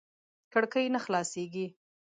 کړکۍ نه خلاصېږي .